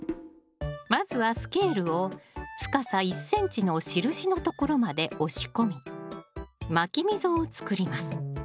まずはスケールを深さ１ｃｍの印のところまで押し込みまき溝を作ります。